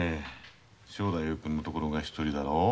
正太夫君のところが１人だろ。